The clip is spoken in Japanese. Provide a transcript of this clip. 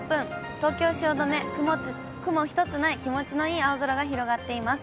東京・汐留、雲一つない気持ちのいい青空が広がっています。